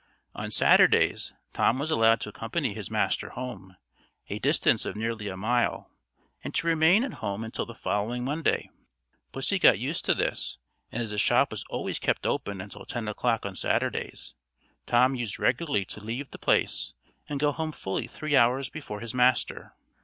On Saturdays, Tom was allowed to accompany his master home, a distance of nearly a mile, and to remain at home until the following Monday. Pussy got used to this; and as the shop was always kept open until ten o'clock on Saturdays, Tom used regularly to leave the place and go home fully three hours before his master.